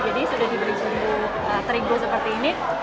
jadi sudah diberi sumbu terigu seperti ini